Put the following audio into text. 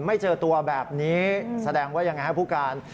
ไม่เจอตัวแบบนี้แสดงว่ายังไงครับผู้การ